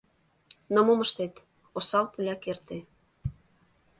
Но мом ыштет: осал пуля керте.